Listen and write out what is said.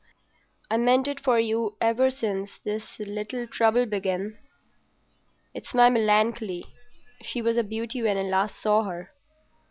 I meant it for you ever since this little trouble began. It's my Melancolia; she was a beauty when I last saw her.